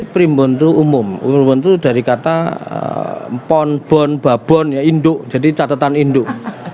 primbon itu umum umum itu dari kata pon bon babon ya induk jadi catatan induk